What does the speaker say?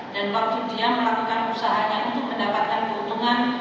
dan waktu dia melakukan usahanya untuk mendapatkan keuntungan